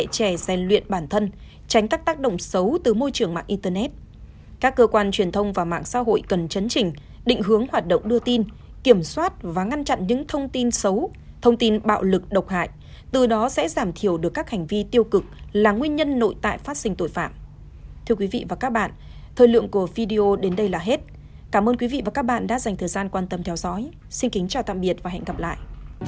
các bạn đã dành thời gian quan tâm theo dõi xin kính chào tạm biệt và hẹn gặp lại